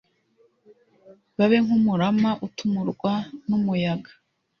babe nk umurama utumurwa n umuyaga